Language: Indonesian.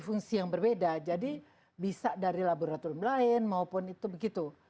fungsi yang berbeda jadi bisa dari laboratorium lain maupun itu begitu